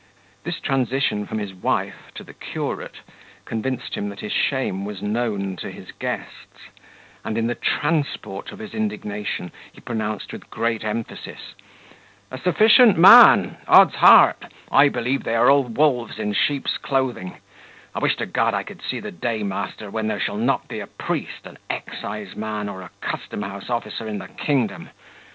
This transition from his wife to the curate convinced him that his shame was known to his guests; and, in the transport of his indignation, he pronounced with great emphasis, "A sufficient man! Odds heart! I believe they are all wolves in sheep's clothing. I wish to God I could see the day, master, when there shall not be a priest, an exciseman, or a custom house officer in the kingdom.